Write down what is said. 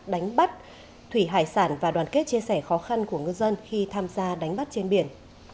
đánh bắt thủy hải sản và đoàn kết chia sẻ khó khăn của ngư dân khi tham gia đánh bắt trên biển